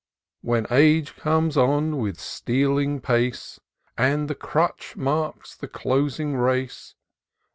When age comes on with stealing pace. And the crutch marks the closing race.